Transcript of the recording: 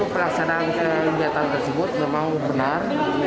pelaksanaan keinginan tersebut memaham benar